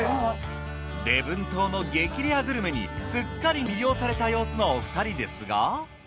礼文島の激レアグルメにすっかり魅了された様子のお二人ですが。